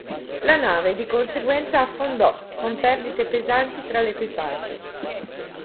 La nave di conseguenza affondò, con perdite pesanti tra l'equipaggio.